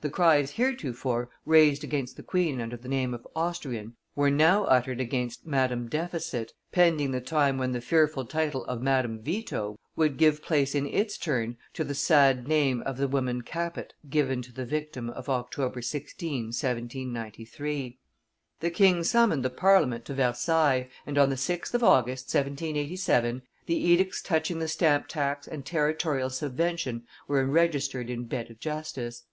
The cries heretofore raised against the queen under the name of Austrian were now uttered against Madame Deficit, pending the time when the fearful title of Madame Veto would give place in its turn to the sad name of the woman Capet given to the victim of October 16, 1793. The king summoned the Parliament to Versailles, and on the 6th of August, 1787, the edicts touching the stamp tax and territorial subvention were enregistered in bed of justice.